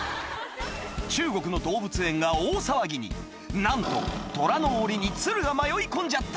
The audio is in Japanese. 中国の動物園が大騒ぎになんとトラのおりにツルが迷い込んじゃった